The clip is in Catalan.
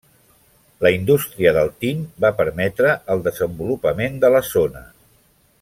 La indústria del tint va permetre el desenvolupament de la zona.